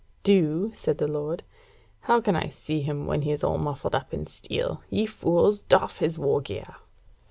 "Do?" said the lord, "How can I see him when he is all muffled up in steel? Ye fools! doff his wargear."